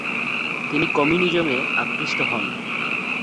তিনি কমিউনিজমে আকৃষ্ট হন।